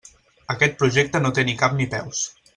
Aquest projecte no té ni cap ni peus.